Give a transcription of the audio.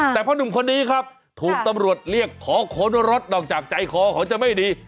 แต่พ่อหนุ่มคนนี้ครับถูกตำรวจเรียกขอค้นรถนอกจากใจคอเขาจะไม่ดี